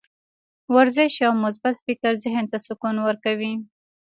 ورزش او مثبت فکر ذهن ته سکون ورکوي.